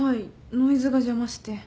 ノイズが邪魔して。